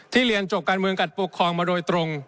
เรียนจบการเมืองกับปกครองมาโดยตรง